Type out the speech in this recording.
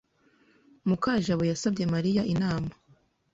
Mukajabo yasabye Mariya inama.